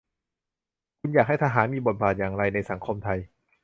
คุณอยากให้ทหาร มีบทบาทอย่างไร ในสังคมไทย ?